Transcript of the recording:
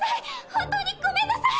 本当にごめんなさい！